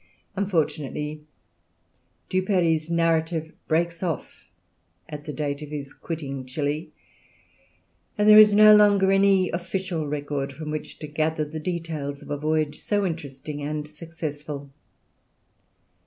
Unfortunately, Duperrey's narrative breaks off at the date of his quitting Chili, and there is no longer any official record from which to gather the details of a voyage so interesting and successful.